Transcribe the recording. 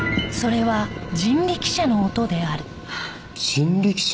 人力車？